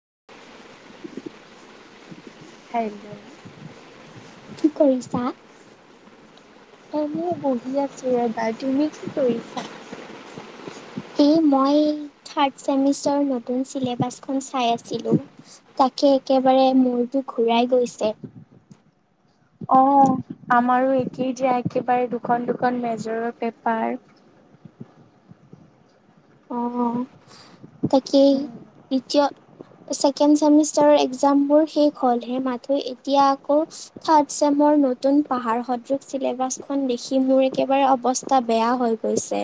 [inaudible] Hello. কি কৰিছা? এনে বহি আছো ৰবা, তুমি কি কৰিছা? এই মই থাৰ্ড চেমিষ্টাৰ নতুন চিলেবাছখন চাই আছিলো তা একে, একেবাৰে মূৰটো ঘূৰাই গৈছে। অ' আমাৰো একেই দিয়া, একেবাৰে দুখন, দুখন মেজৰৰ পেপাৰ। [inaudible] অ' তাকেই [unintelligible] চেকেণ্ড ছেমিষ্টাৰৰ একজামবোৰ শেষ হ'ল, এইমাহত এতিয়া আকৌ থাৰ্ড চেমৰ নতুন পাহাৰ সদৃশ চিলেবাছখন দেখি মোৰ একেবাৰে অৱস্থা বেয়া হৈ গৈছে।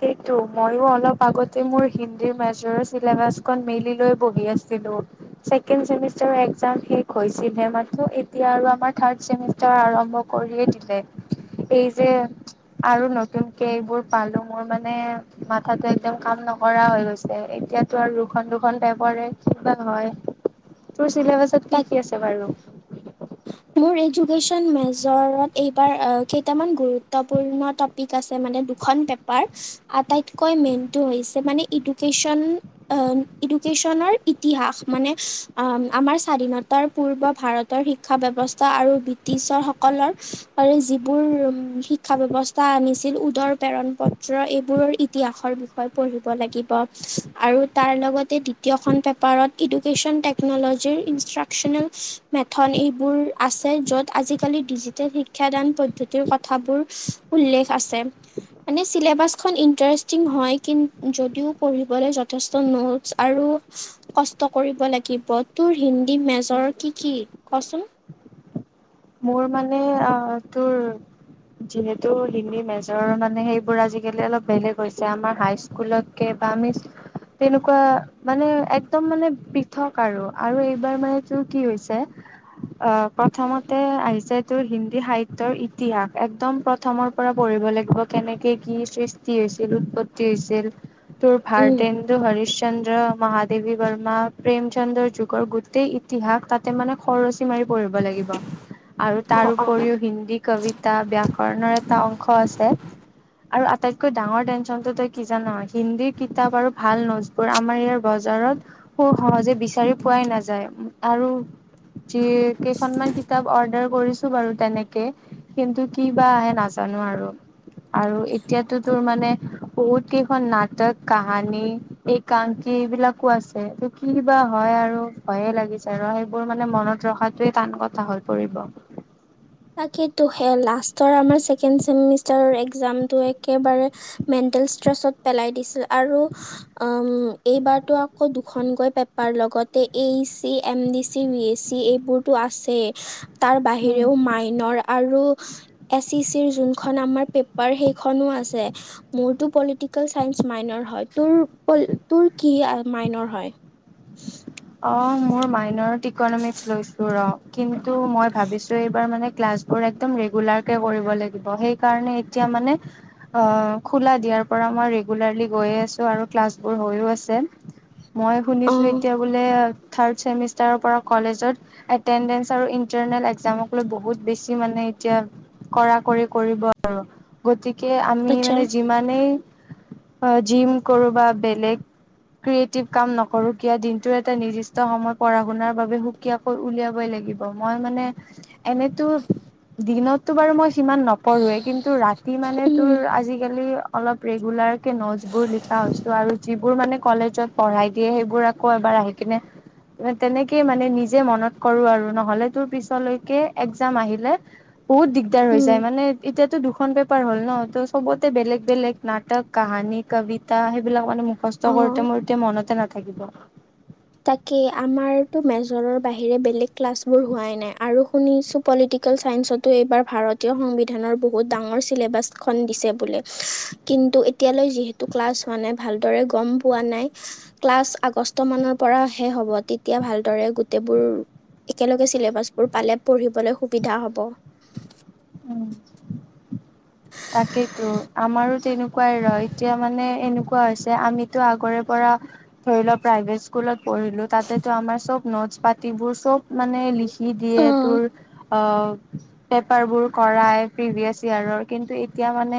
সেইটো মইয়ো অলপ আগতে মোৰ হিন্দিৰ মেজৰ চিলেবাচখন মেলি লৈ বহি আছিলো ছেকেণ্ড ছেমিষ্টাৰৰ এক্সাম শেষ হৈছিল হে মাত্ৰ এতিয়া আৰু আমাৰ থাৰ্ড ছেমিষ্টাৰ আৰম্ভ কৰিয়ে দিলে এই যে আৰু নতুনকে এইবোৰ পালো মোৰ মানে মানে মাথাতো একদম কাম নকৰা হৈ গৈছে এতিয়াতো আৰু দুখন দুখন পেপাৰে কিবা তোৰ চিলেবাচত কি তাক কি আছে বাৰু? মোৰ এডুকেশ্বন মেজৰত এইবাৰ কেইটামান গুৰুত্বপূৰ্ণ টপিক আছে মানে দুখন পেঁপাৰ আটাইতকৈ মেইনটো হৈছে মানে এডুকেশ্বন এডুকেশ্বনৰ ইতিহাস মানে আমাৰ স্বাধীনতা পূৰ্ব ভাৰতৰ শিক্ষা ব্যৱস্থা আৰু ব্ৰিটিছৰ সকলৰৰে যিবোৰ উ শিক্ষা ব্যৱস্থা আনিছে উদৰ প্ৰেৰণ পত্ৰ এইবোৰৰ ইতিহাসৰ বিষয়ে পঢ়িব লাগিব আৰু তাৰ লগতে দ্বিতীয়খন পেপাৰত এডুকেশ্যন টেকন'ল'জিৰ ইনষ্ট্ৰাকচনেল মেথড এই বোৰ আছে য'ত আজিকালি ডিজিটেল শিক্ষাদান পদ্ধতিৰ কথাবোৰ উল্লেখ আছে এম মানে চিলেবাচখন ইন্টাৰেষ্টিং হয় কিন যদিও পঢ়িবলৈ যথেষ্ট নোটছ আৰু কষ্ট কৰিব লাগিব তোৰ হিন্দী মেজৰ কি কি কচোন? মোৰ মানে অ তোৰ যিহেতু হিন্দী মেজৰ মানে সেইবোৰ আজিকালি অলপ বেলেগ হৈছে আমাৰ হাইস্কুলতকে আমি তেনেকুৱা মানে একদম মানে পৃথক আৰু আৰু এইবাৰ মানেটোৰ কি হৈছে অ প্ৰথমত আহিছে তোৰ হিন্দী সাহিত্যয়ৰ ইতিহাস একদম প্ৰথমৰ পৰা পঢ়িব লাগিব কেনেকে কি কি সৃষ্টি হৈছিল উৎপত্তি হৈছিল তোৰ ভাৰ উম তেন্দু হৰি ন্দ্ৰ মহাদেৱী বৰ্মা প্ৰেম চন্দ্ৰৰ যুগৰ গোটেই ইতিহাস তাতে মানে খৰচী মাৰি পঢ়িব লাগিব আৰু অ তাৰ অ উপৰিও হিন্দী কবিতা ব‍্যা কৰনৰ এটা অংশ আছে আৰু আটাইতকৈ ডাঙৰ টেনচনটো তই কি জান হিন্দীৰ কিতাপ আৰু ভাল নোটচ বোৰ আমাৰ ইয়াৰ বজ বজাৰত স সহজে বিচাৰি পোৱাই নাযায় আৰু যে কেইখন মান কি? কিতাপ অৰ্ডাৰ কৰিছো বাৰু তেনেকে কিন্তু কি বা আহে নাজানো আৰু আৰু এতিয়াতো তোৰ মানে বহুত কেইখন নাটক কাহানী এইং এইবিলাকো আছে ত কি বা হয় আৰু ভয়ে লাগিছে ৰ সেইবোৰ মানে মনত ৰখাটোৱে টান কথা হৈ পৰিব তাকেইটো লাষ্টৰ আমাৰ ছেকেণ্ড চেমিষ্টাৰৰ একজামটো একেবাৰে মেন মেনতেল ট্ৰেছত পেলাই দিছিল আৰু এইবাৰটো আকৌ দুখন কৈ পেঁপাৰ লগ আগতে A C M D C B A C এইবোৰতো আছে তাৰ উম বাহিৰেও মাই আৰু এ চি চি যোনখন আমাৰ পেঁপাৰ সেইখনো আছে মূৰটো পলিটিকেল চাইন্স মাইনৰ হয় তোৰ কি মাইনৰ হয়। অ', মোৰ মাইনৰত ইকনমিক্স লৈছো ৰ কিন্তু মই ভাবিছো এইবাৰ মানে ক্লাছবোৰ একদম লেগুলাৰ কে কৰিব লাগিব সেইকাৰণে এতিয়া মানে খোলা দিয়া। তাৰ পৰা মই ৰেগুলাৰলি গৈয়ে আছোঁ আৰু ক্লাছবোৰ হৈয়ো আছে। মই অ শুনিছোঁ এতিয়া বোলে থাৰ্ড ছেমিষ্টাৰৰ পৰা কলেজত এটেণ্ডেঞ্চ আৰু ইন্টাৰনেল একজামক লৈ বহুত। বেছি মানে এতিয়া কৰা কৰি কৰিব আৰু গতিকে। কে আমি আচ্ছা মানে যিমানেই। জিম কৰো বা বেলেগ ক্ৰিয়েটিভ কাম নকৰো কিয় দি এটা নিৰ্দিষ্ট সময় পঢ়া শুনাৰ বাবে সুকীয়াকৈ উলিয়াবই লাগিব মই মানে এনেটো দিনতটো বাৰু মই সিমান নপঢ়োৱে কিন্তু ৰাতি মানে তোৰ উম আজিকালি অলপ ৰেগুলাৰ কে নোটছবোৰ লিখা হৈছো আৰু যিবোৰ মানে কলেজত পঢ়াই দিয়ে সেইবোৰ। আকৌ এবাৰ আহি কিনে তেনেকেই মানে নিজে মনত কৰো আৰু নহলে তোৰ পিছলৈকে একজাম আহিলে বহুত দিগদাৰ হৈ উম যায় মানে এতিয়াতো দুখন ব তাৰ হল ন ত সবতে বেলেগ বেলেগ নাটক কাহানী কবিতা সেইবিলাক মানে কষ্ট অ কৰোতে মোৰ এতিয়া মনতে নাথাকিব তাকে আমাৰ মেজৰৰ বাহিৰে্ বেলেগ ক্লাছবোৰ হোৱা নাই আৰু শুনিছো পলিটিকেল চাইন্সতো এইবাৰ ভাৰতীয় সংবিধানৰ বহুত ডাঙৰ ছিলেবাছখন দিছে বুলি কিন্তু এতিয়ালৈ যিহেতু ক্লাছ হোৱা নাই ভালদৰে গম পোৱা নাই ক্লাছ আগষ্ট মানৰ পৰা শেষ হ'ব তেতিয়া ভালদৰে গোটেইবোৰ একেলগে চিলেবাছবোৰ পালে পঢ়িবলৈ সুবিধা হ'ব উম। তাকেইতো আমাৰো তেনেকুৱাই ৰ এতিয়া মানে এনেকুৱা হৈছে আমিতো আগৰে পৰা ধৰি ল প্ৰাইভেট স্কুলত পঢ়িলো তাতেটো আমাৰ চ নোট পাতিবোৰ চব মানে লিখি কি দিয়ে অ তোৰ অ পেপাৰ বোৰ কৰাই প্ৰিভিয়াচ ইয়াৰৰ কিন্তু এতিয়া মানে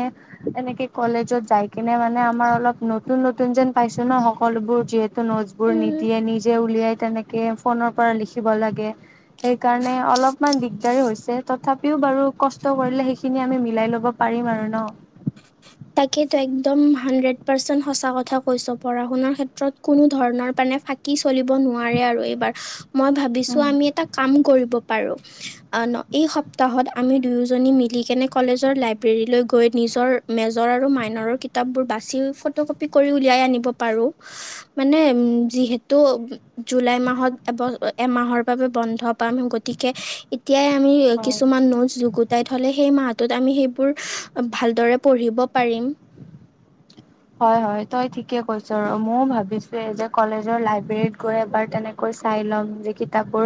তেনেকে কলেজত যাই কিনে মানে আমাৰ অলপ নতুন নতুন যেন পাইছ ন সকলোবোৰ যিহেতু নোজবোৰ উম নিদিয়ে নিজে উলিয়াই তেনেকে ফোনৰ পৰা লিখিব লাগে সেইকাৰণে অলপমান দিগদাৰ হৈছে তথাপিও বাৰু কষ্ট কৰিলে সেইখিনি আমি মিলাই ল'ব পাৰিম আৰু ন তাকে একদম হাড্ৰেড পাৰ্চেন্ সঁচা কথা কৈছ পঢ়া শুাৰ ক্ষেত্ৰত কোনো ধৰণৰ ফাকি চলিব নোৱাৰে আৰু এইবাৰ মই ভাবিছো উম। আমি এটা কাম কৰিম পাৰোঁ এই সপ্তাহত আমি দুয়োজনী মিলিকনে কলেজৰ লাইব্ৰেৰীলৈ গৈ নিজৰ মেজৰ আৰু মাইনৰৰ কিতাপবোৰ বাচি ফটো কপি কৰি উলিয়াই আনিব পাৰোঁ মানে উম যিহেতু জুলাই মাহত এব এমাহৰ বাবে বন্ধ পাম গতিকে এতিয়াই আমি হয়। কিছুমান নোট যুগুতাই থলে সেই মাহটোত আমি সেইবোৰ ভালদৰে পঢ়িব পাৰিম হয় হয় তই ঠিকে কৈছ ৰ ময় ভাবিছো এই যে কলেজৰ লাইব্ৰেৰীত গৈ এবাৰ তেনেকৈ চাই ল'ম যে কিতাপ বোৰ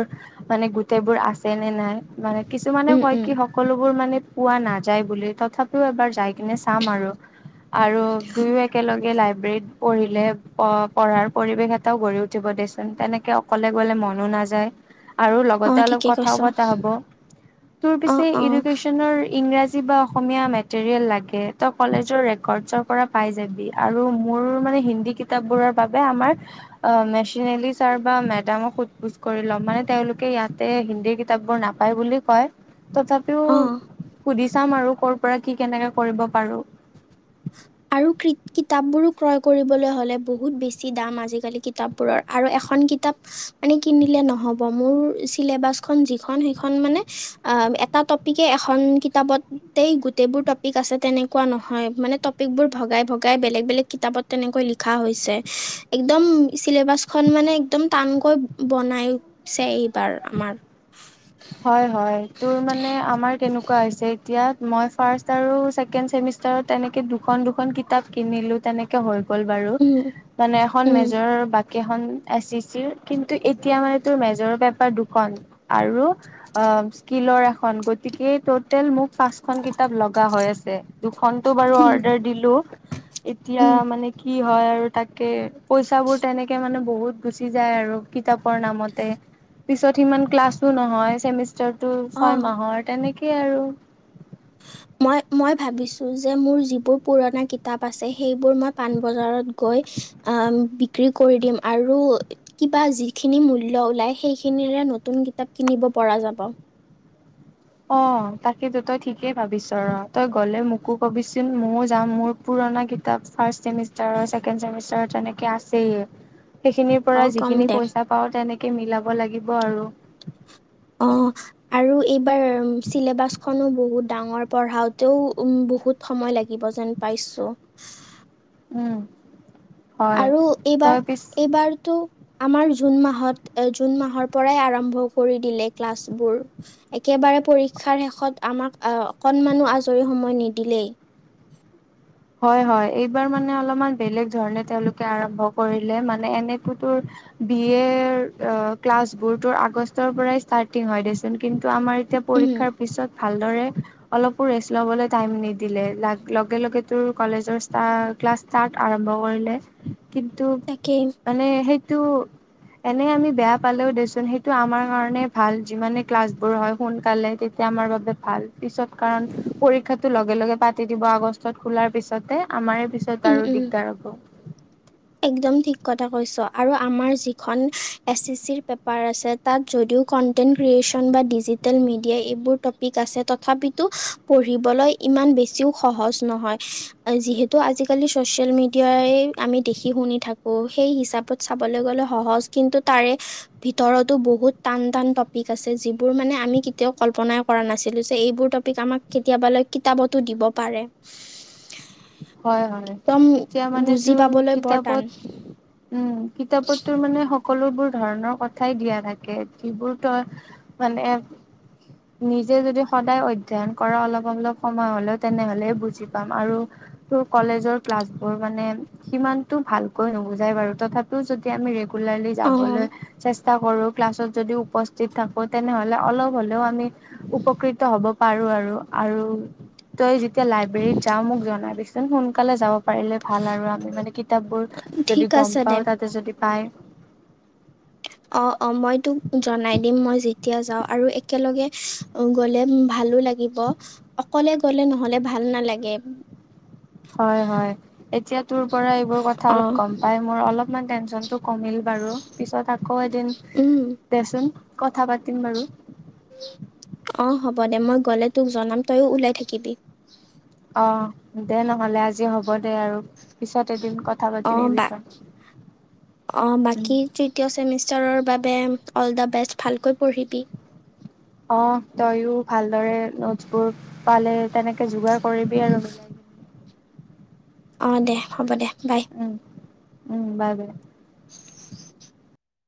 মানে গোটেই বোৰ আছে নে নাই মানে কিছুমানে উম কয় উম কি সকলোবোৰ মানে পোৱা নাযায় বুলি তথাপিও এবাৰ যাই কিনে চাম আৰু আৰু দুয়ো একেলগে লাইব্ৰেৰীত পঢ়িলে প পঢ়াৰ পৰিৱেশ এটাও গঢ়ি উঠিব দেচোন তেনেকে অকলে লে মনো নাযায় আৰু অ লগতে অলপ ঠিকে কথাও কৈছ পতা হ'ব তোৰ অ পিছে অ এডুকেশ্যনৰ ইংৰাজী বা অসমীয়া ম য়েল লাগে ত কলেজৰ ৰেকৰ্ডৰ পৰা পাই যাবি আৰু মোৰ মানে হিন্দী কিতাপ বোৰ বাবে আমাৰ মেচেনেৰী চাৰ্ভাৰ মেডামক সোধ পোজ কৰি ল'ম মানে তেওঁলোকে ইয়াতে হিন্দী কিতাপ বোৰ নাপায় বুলি কয়। তথাপিও অ সুধি চাম আৰু কৰ পৰা কি কেনেকে কৰিব পাৰো কিতাপ বোৰ ক্ৰয় কৰিব হলে বহুত বেছি দাম আজিকালি কিতাপবোৰৰ আৰু এখন মানে কিনিলে নহব মোৰ চিলেবাচখন যিখন সেইখন মানে অ এটা টপিকে এখন কিতাপতেই গোটেইবোৰ টপিক আছে তেনেকুৱা নহয় মানে ভগাই ভগ বেলেগ বেলেগ কিতাপত তেনেকৈ লিখা হৈছে একমেবা মানে একদম টানকৈ বনাইছে এইবাৰ আমাৰ হয় হয় তো মানে আমাৰ এনেকুৱা হৈছে এতিয়া মই ফাৰ্ষ্ট আৰু চেকেণ্ড চেমিষ্টাৰ তেনেকে দুখন দুখন কিতাপ কিনিলো তেনেকে হল গল বাৰু উম মানে এখন উম মেজৰ ব কেইখন এছ চি চিৰ কিন্তু এতিয়া মানে তোৰ মেজৰৰ বেপাৰ দুখন আৰু অ স্কিলৰ এখন গতিকে তত টোটল মোক পাচখন কিতাপ লগা হৈ আছে দুখনো বাৰু উম অৰ্ডাৰ দিলো এতিয়া উম মানে কি হয় আৰু তাকে পইচা বোৰ তেনেকে মানে বহুত গুছি যায় আৰু কিতাপৰ নামতে পিছত সিমান ক্লাছ নহয় টো ছয় অ মাহৰ তেনেকেই আৰু [inaudible] মই মই ভাবিছোঁ যে মোৰ যিবোৰ পুৰণা কিতাপ আছে সেইবোৰ মই পাণবজাৰত গৈ আ বিক্ৰী কৰি দিম আৰু কিবা যিখিনি মূল্য ওলাই সেইখিনিৰে নতুন কিতাপ কিনিব পৰা যাব। অ তাকেইেতো তই ঠিকেই ভাবিছ ৰ তই গ'লে মোকো কবিচোন ময়ও যাম মোৰ পুৰা। পুৰণা কিতাপ ফাৰ্ষ্ট চেমষ্টাৰ ছেকেণ্ড চেমষ্টাৰ তেনেকে আছেই সেইখিনিৰ অঁ পৰা কম যিখিনি দে পইচা পাও তেনেকে মিলাব লাগিব। আৰু- অ আৰু এইবাৰ চিলেবাচখননো বহুত ডাঙৰ পঢ়াওতেও উ বহুত সময়। লাগিব। যেন পাইছো উম হয় আৰু এইবাৰ তই পিছ এইবাৰতো আমাৰ জুন মাহত এ জুন মাহৰ পৰাই আৰম্ভ কৰি দিলে ক্লাছবোৰ একে, - একবাৰে পৰীক্ষা শেষত আমাক অকণমানো আজৰি সময় নিদিলেই- হয় হয় এইবাৰ মানে অলপমান বেলেগ ধৰণে তেওঁলোকে আৰম্ভ কৰিলে মানে এনেতো তোৰ বি এৰ ক্লাছবোৰত আগষ্টৰ পৰাই ষ্টাৰ্টিং হয় দেচোন কিন্তু ত' আমাৰ এতিয়া পৰীক্ষাৰ উম পিছত। ভালদৰে অলপো ৰেষ্ট লবলৈ টাইম নিদিলে ল লগে লগে তোৰ কলেজৰ ক্লাছ ষ্টাৰ্ট আৰম্ভ কৰিলে কিন্তু তাকেই মানে সেই- [inaudible] এনে আমি বেয়া পালেও দেচোন সেইটো আমাৰ কাৰণে ভাল যিমানে ক্লাছ বোৰ হয় সোনকালে তেতিয়া আমাৰ বাবে ভাল। পিছত কাৰণ পৰীক্ষা লগে লগে পাতি দিব আগষ্টত খোলাৰ পিছতে আমাৰ- তাৰ পিছত ত উম আৰু উম দিগদাৰ হ'ব- একদম ঠিক কথা কৈছ আৰু আমাৰ যিখন এছি চিৰ পেপাৰ আছে তাত যদিও- কণ্টেণ্ট ক্ৰীয়েচন বা ডিজিটেল মিডিয়া এইবোৰ তপিক আছে তথাপিটো পঢ়িবলৈ- ইমান বেছিও সহজ নহয়। যিহেতু আজিকালি ছ'চিয়েল মিডিয়াই আমি দেখি শুনি থাকো সেই হিচাপত চাবলৈ গ'লে সহজ কিন্তু তাৰে ভিতৰতো বহুত- টান টান টপিক আছে যিবোৰ মানে আমি কেতিয়াও কল্পনাই কৰা নাছিলোঁ যে এইবোৰ টপিক আমাক কেতিয়াবালৈ কিতাপতো দিব পাৰে হয় হয় একদম এতিয়া মানে বুজি তোৰ পাবলৈ। বৰটান কিতাপতোৰ মানে- সকলোবোৰ ধৰণৰ কথাই দিয়া থাকে। যিবোৰ তই মানে নিজে যদি সদায় অধ্যয়ন কৰা অলপ অলপ সময় হলে তেনেহলে বুজি পাম আৰু- কলেজৰ ক্লাছ বোৰ মানে সিমানতটো ভালকৈ নুবুজাই বাৰু তথাপি যদি। আমি অঁ যাবলৈ চেষ্টা কৰো ক্লাছত যদি উপস্থিত থাকো তেনেহলে অলপ হ'লেও আমি উপকৃত হ'ব পাৰো আৰু আৰু তই যেতিয়া লাইবেৰিত যাও মোক জনাবি চুন সোনকালে যাব পাৰিলে ভাল আৰু আমি মানে কিতাপ বোৰ ঠিক যদি গম আছে দে পাও তাতে যদি পাই। উ অ অ মই তোক জনাই দিম মই যেতিয়া যাওঁ আৰু একেলগে গ'লে ভালো লাগে। অকলে গলে নহলে ভাল নালাগে। হয় হয় এতিয়া। তোৰ পৰা এইবোৰ কথা অলপ অঁ গম পাই মোৰ অলপমান টেনচনটো কমিল বাৰু পিছত আকৌ এদিন দেচোন কথা পাতিম বাৰু অ হ'ব দে মই গলে তোক জনাম তইযো ওলাই থাকিবি অ' দে নহ'লে আজি হ'ব দে আৰু পিছত এদিন কথা পাতিম এই বিষয়ে। অ উম, বাকী তৃতীয় চেমিষ্টাৰৰ বাবে। অল দা বেষ্ট ভালকৈ পঢ়িবি। অ তয়ও ভালদৰে নোটছ বোৰ পালে তেনেকে যোগাৰ কৰিবি আৰু মিলাই [inaudible] অ দে হ'ব দে বাই। উম, উম বাই বাই।